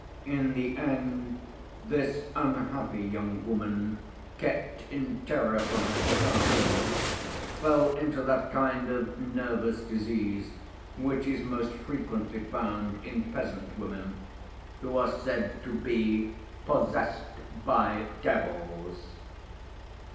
In the end this unhappy young woman, kept in terror from her childhood, fell into that kind of nervous disease which is most frequently found in peasant women who are said to be "possessed by devils."